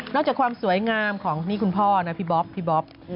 นอกจากความสวยงามของนี่คุณพ่อนะพี่บ๊อบ